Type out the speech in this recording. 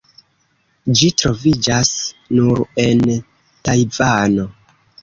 Ĝi troviĝas nur en Tajvano.